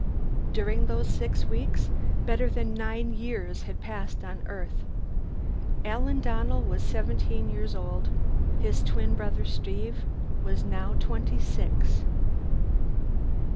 During those six weeks, better than nine years had passed on Earth. Alan Donnell was seventeen years old. His twin brother Steve was now twenty six.